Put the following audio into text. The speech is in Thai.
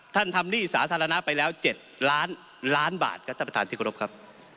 ทำหนี้สาธารณะไปแล้ว๗ล้านล้านบาทครับท่านประธานที่กรบครับ